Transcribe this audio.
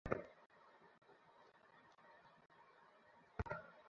না, আমি জিততে চাই।